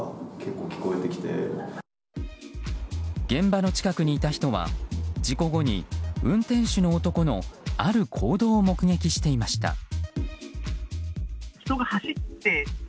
現場の近くにいた人は事故後に運転手の男のある行動を目撃していました。